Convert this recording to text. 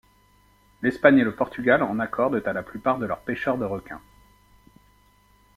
L'Espagne et le Portugal en accordent à la plupart de leurs pêcheurs de requins.